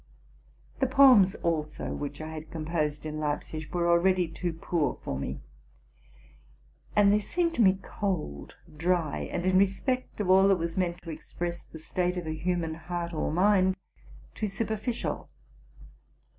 'The poems also which I had composed in Leipzig were already too poor for me; and they seemed to me cold, dry, and, in respect of all that was meant to ex press the state of the human heart or mind, too superficial.